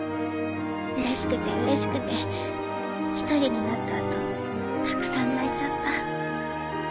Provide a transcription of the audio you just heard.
うれしくてうれしくて１人になった後たくさん泣いちゃった」。